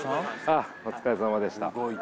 あっお疲れさまでした。